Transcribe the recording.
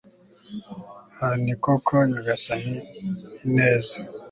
h ni koko nyagasani ineza